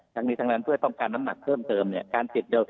ทั้งนี้ทั้งนั้นเพื่อต้องการน้ำหนักเพิ่มเติมเนี่ย